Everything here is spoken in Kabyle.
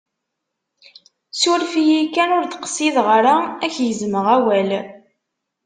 Suref-iyi kan, ur d-qsideɣ ara k-gezmeɣ awal.